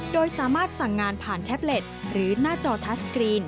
โดยสามารถสั่งงานผ่านแท็บเล็ตหรือหน้าจอทัสกรีน